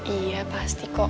iya pasti kok